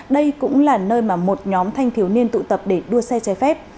đây cũng là nơi mà một nhóm thanh thiếu niên tụ tập để đua xe trái phép